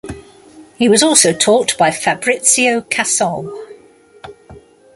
He was also taught by Fabrizio Cassol.